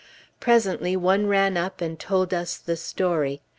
Presently one ran up and told us the story.